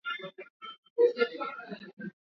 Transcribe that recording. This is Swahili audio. Rais wa zamani Marekani Donald Trump